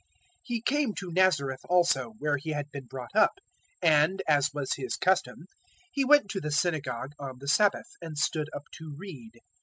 004:016 He came to Nazareth also, where He had been brought up; and, as was His custom, He went to the synagogue on the Sabbath, and stood up to read.